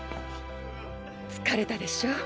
疲れたでしょう。